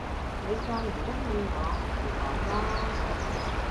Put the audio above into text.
你再唔中意我，咪講囉！